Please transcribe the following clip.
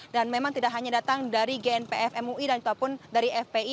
dan memang tidak hanya datang dari gnpf mui dan ataupun dari fpi